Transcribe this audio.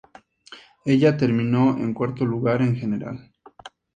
Ella terminó en cuarto lugar en general.